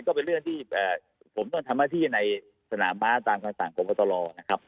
ก็เป็นเรื่องที่ผมต้องทำหน้าที่ในสนามม้าตามคำสั่งพบตรนะครับ